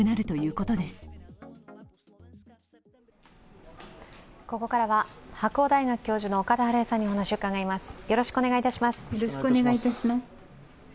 ここからは白鴎大学教授の岡田晴恵さんにお話を聞きます。